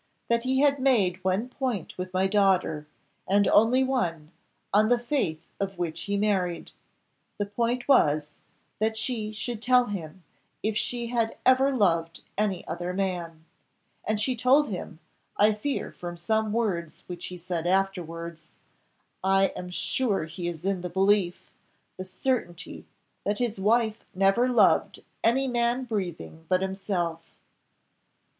that he had made one point with my daughter, and only one, on the faith of which he married: the point was, that she should tell him, if she had ever loved any other man. And she told him I fear from some words which he said afterwards I am sure he is in the belief the certainty, that his wife never loved any man breathing but himself."